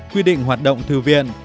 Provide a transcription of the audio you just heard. quy định hoạt động thư viện